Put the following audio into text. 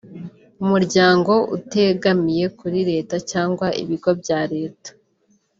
umuryango utegamiye kuri leta cyangwa ibigo bya Leta